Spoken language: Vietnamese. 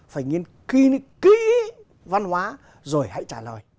phải nghiên ký văn hóa rồi hãy trả lời